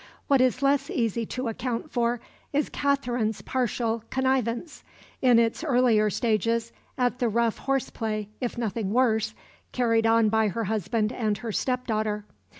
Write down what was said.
What is less easy to account for is Katherine's partial connivance, in its earlier stages, at the rough horse play, if nothing worse, carried on by her husband and her step daughter.